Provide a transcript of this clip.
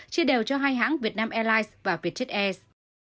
chia đều cho hai hãng việt nam airlines và vietjet air